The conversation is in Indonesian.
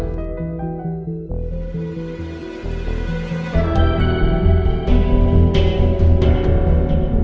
mudah banget ya